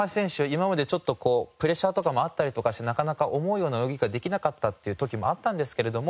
今までちょっとプレッシャーとかもあったりとかしてなかなか思うような泳ぎができなかったっていう時もあったんですけれども